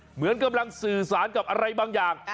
เหมือนกำลังสื่อสารกับอะไรบางอย่าง